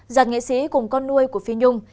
giàn nghệ sĩ cùng con nuôi của phi nhung